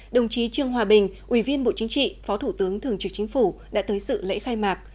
đồng chí trương hòa bình ủy viên bộ chính trị phó thủ tướng thường trực chính phủ đã tới sự lễ khai mạc